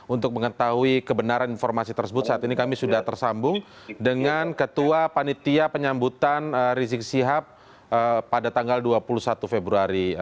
untuk mengetahui kebenaran informasi tersebut saat ini kami sudah tersambung dengan ketua panitia penyambutan rizik sihab pada tanggal dua puluh satu februari